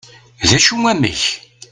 d acu amek?